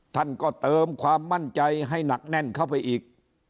ท่านก็เติมความมั่นใจให้หนักแน่นเข้าไปอีก